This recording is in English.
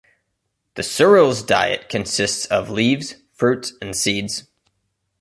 The surilis' diet consists of leaves, fruits, and seeds.